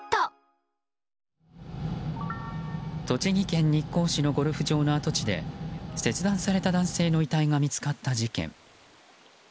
栃木県日光市のゴルフ場の跡地で切断された男性の遺体が見つかった事件。